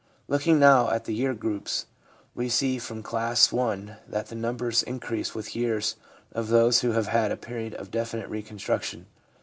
Looking now at the year groups, we see from class one that the numbers increase with years of those who have had a period of definite reconstruction.